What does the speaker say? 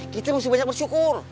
kita masih banyak bersyukur